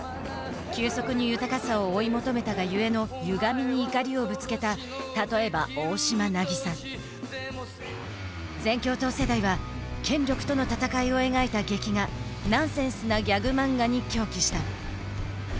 急速に豊かさを追い求めたがゆえのゆがみに怒りをぶつけた例えば全共闘世代は権力との闘いを描いた劇画ナンセンスなギャグマンガに狂喜した。